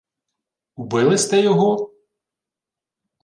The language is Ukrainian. — Убили сте його?